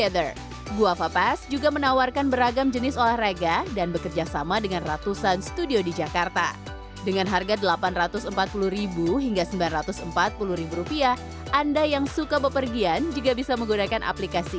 tapi yang kali ini saya mau mencobanya lewat aplikasi gua kepas